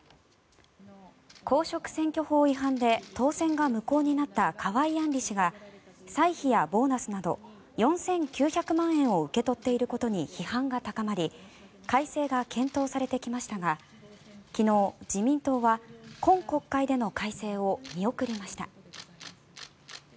公職選挙法違反で当選が無効になった河井案里氏が歳費やボーナスなど４９００万円を受け取っていることに批判が高まり改正が検討されてきましたが昨日、自民党は今国会での改正を見送りました。